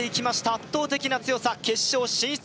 圧倒的な強さ決勝進出